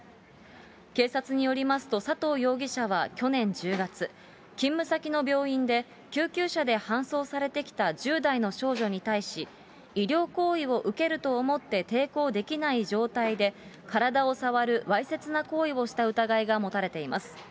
警察によりますと、佐藤容疑者は去年１０月、勤務先の病院で、救急車で搬送されてきた１０代の少女に対し、医療行為を受けると思って抵抗できない状態で体を触るわいせつな行為をした疑いが持たれています。